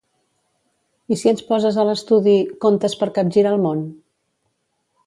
I si ens poses a l'estudi "Contes per capgirar el món"?